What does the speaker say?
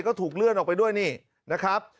ก็ถูกเลื่อนออกไปด้วยนี่นะครับ